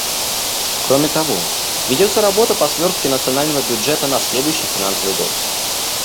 Кроме того, ведется работа по сверстке национального бюджета на следующий финансовый год.